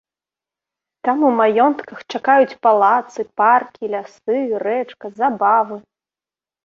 Там у маёнтках чакаюць палацы, паркі, лясы, рэчка, забавы!